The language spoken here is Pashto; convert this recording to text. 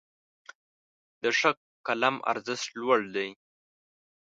د ښه قلم ارزښت لوړ دی.